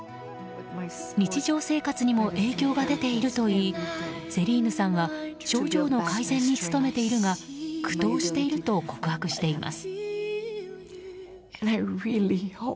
日常生活にも影響が出ているといいセリーヌさんは症状の改善に努めているが苦闘していると告白しています。